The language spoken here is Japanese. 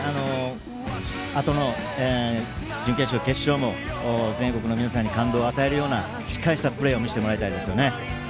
あとの準決勝、決勝も全国の皆さんに感動を与えるようなしっかりしたプレーを見せてもらいたいですよね。